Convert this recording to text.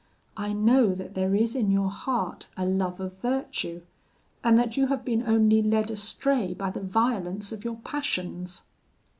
I know that there is in your heart a love of virtue, and that you have been only led astray by the violence of your passions.'